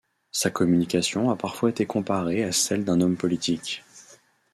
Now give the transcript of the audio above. Sa communication a parfois été comparée à celle d’un homme politique.